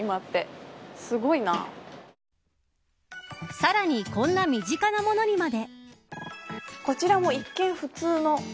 さらにこんな身近なものにまで。